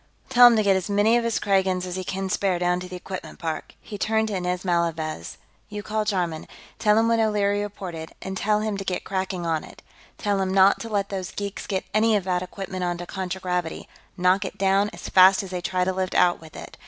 "Well, tell him to get as many of his Kragans as he can spare down to the equipment park." He turned to Inez Malavez. "You call Jarman; tell him what O'Leary reported, and tell him to get cracking on it. Tell him not to let those geeks get any of that equipment onto contragravity; knock it down as fast as they try to lift out with it.